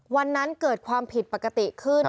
วันนั้นเกิดความผิดปกติขึ้น